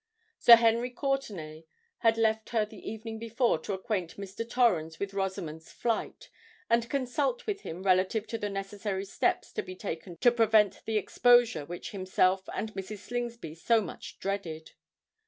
Sir Henry Courtenay had left her the evening before to acquaint Mr. Torrens with Rosamond's flight, and consult with him relative to the necessary steps to be taken to prevent the exposure which himself and Mrs. Slingsby so much dreaded.